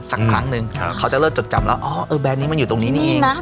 สักครั้งหนึ่งครับเขาจะเลิกจกจำแล้วอ๋อเออแบรนด์นี้มันอยู่ตรงนี้นี่เอง